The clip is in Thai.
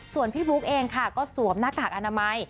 ส่วนพี่บุ๊กเองค่ะก็สวมหน้ากากอนามัย